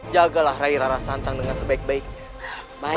jagalah rai rara santang dengan sebaik baiknya